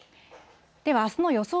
では、あすの予想